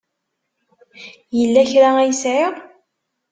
Yella kra ay sɛiɣ?